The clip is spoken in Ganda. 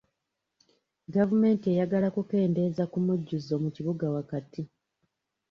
Gavumenti eyagala kukendeeza ku mujjuzo mu kibuga wakati.